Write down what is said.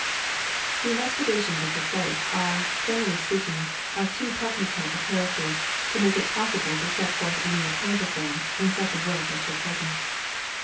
The investigations of Laplace are, generally speaking, of too technical a character to make it possible to set forth any account of them in such a work as the present.